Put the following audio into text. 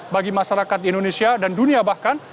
bagi masyarakat indonesia dan dunia bahkan